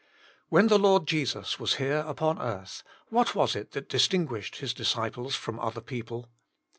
When the Lord Jesus was here upon earth, what was it that dis tinguished His disciples from other people